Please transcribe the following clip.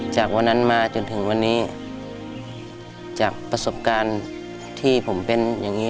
จากวันนั้นมาจนถึงวันนี้จากประสบการณ์ที่ผมเป็นอย่างนี้